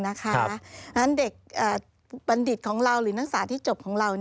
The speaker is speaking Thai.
เพราะฉะนั้นเด็กบัณฑิตของเราหรือนักศึกษาที่จบของเรา